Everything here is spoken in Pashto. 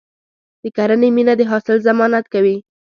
د کرنې مینه د حاصل ضمانت کوي.